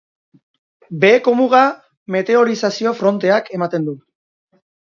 Beheko muga meteorizazio fronteak ematen du.